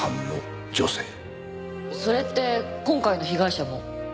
それって今回の被害者も。